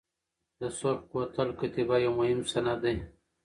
د سرخ کوتل کتیبه یو مهم سند دی.